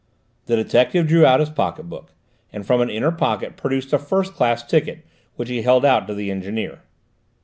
The detective drew out his pocket book, and from an inner pocket produced a first class ticket, which he held out to the engineer.